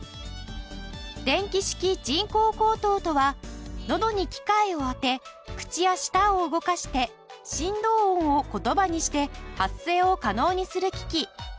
電気式人工喉頭とはのどに機械を当て口や舌を動かして振動音を言葉にして発声を可能にする機器。